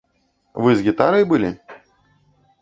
Вы з гітарай былі?